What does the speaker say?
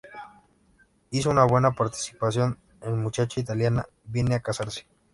Hizo una buena participación en Muchacha italiana viene a casarse.